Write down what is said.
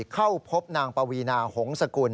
เข้าพบนางปวีนาหงษกุล